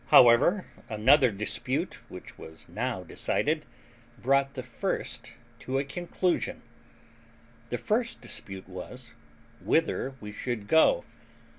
However, another dispute, which was now decided, brought the first to a conclusion. The first dispute was, whither we should go.